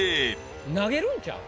投げるんちゃう？